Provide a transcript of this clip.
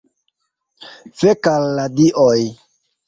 Fek' al la Dioj